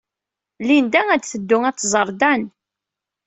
Linda ad teddu ad tẓer Dan.